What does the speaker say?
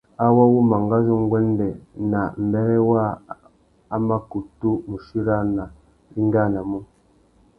Awô wu mangazu nguêndê nà mbêrê waā a mà kutu mù chirana wá ingānamú.